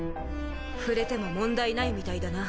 触れても問題ないみたいだな。